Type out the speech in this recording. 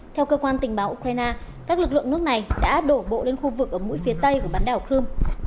theo cơ quan tình báo ukraine các lực lượng nước này đã đổ bộ lên khu vực ở mũi phía tây của bán đảo crimea